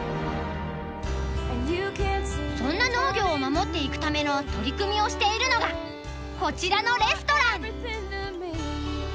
そんな農業を守っていくための取り組みをしているのがこちらのレストラン。